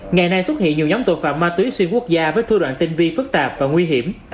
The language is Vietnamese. ngày nay xuất hiện nhiều nhóm tội phạm ma túy xuyên quốc gia với thua đoạn tinh vi phức tạp và nguy hiểm